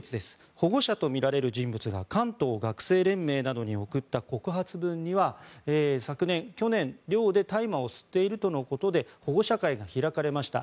保護者とみられる人物が関東学生連盟などに送った告発文には去年、寮で大麻を吸っているとのことで保護者会が開かれました。